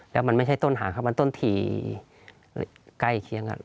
แล้วมันไม่ใช่ต้นหางครับมันต้นถี่ใกล้เคียง